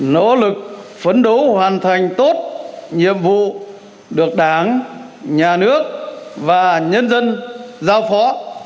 nỗ lực phấn đấu hoàn thành tốt nhiệm vụ được đảng nhà nước và nhân dân giao phó